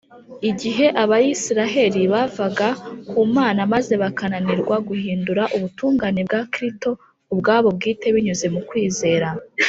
igihe abayisiraheli bavaga ku mana maze bakananirwa guhindura ubutungane bwa krito ubwabo bwite binyuze mu kwizera